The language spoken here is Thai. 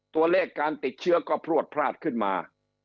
ตัวเลขการติดเชื้อก็พลวดพลาดขึ้นมา